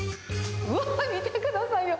見てくださいよ。